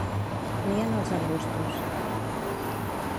Nien als arbustos.